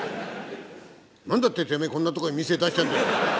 何だっててめえこんな所へ店出してんだよ？」。